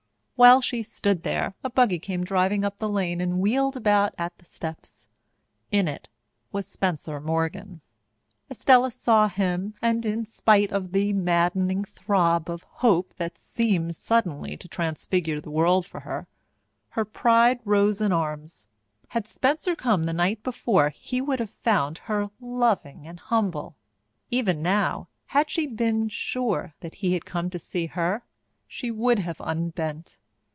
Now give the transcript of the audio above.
While she stood there, a buggy came driving up the lane and wheeled about at the steps. In it was Spencer Morgan. Estella saw him and, in spite of the maddening throb of hope that seemed suddenly to transfigure the world for her, her pride rose in arms. Had Spencer come the night before, he would have found her loving and humble. Even now, had she but been sure that he had come to see her, she would have unbent.